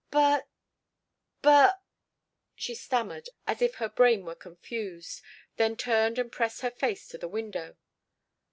"But but " She stammered as if her brain were confused, then turned and pressed her face to the window.